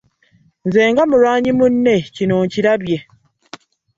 Nze nga mulwanyi munne kino nkirabye.